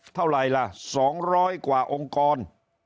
เท่าไหร่ล่ะ๒๐๐กว่าองค์กร